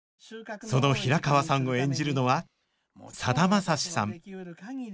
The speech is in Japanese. その平川さんを演じるのはさだまさしさん